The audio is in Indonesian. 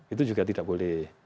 itu juga tidak boleh